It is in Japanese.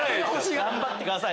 頑張ってください。